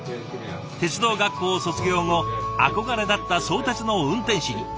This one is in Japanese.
鉄道学校を卒業後憧れだった相鉄の運転士に。